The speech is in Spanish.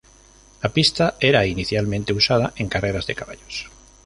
La pista era inicialmente usada en carreras de caballos.